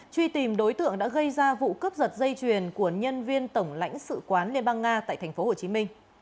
truy tìm đối tượng đã gây ra vụ cướp giật dây chuyền của nhân viên tổng lãnh sự quán liên bang nga tại tp hcm